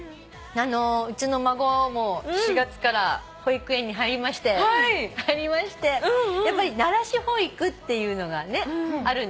うちの孫も４月から保育園に入りましてやっぱり慣らし保育っていうのがあるんですよ。